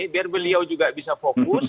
biar beliau juga bisa fokus